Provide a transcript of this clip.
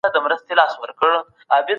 که صداقت وي، نو باور پيدا کيږي.